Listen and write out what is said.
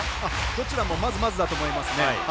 どちらもまずまずだと思います。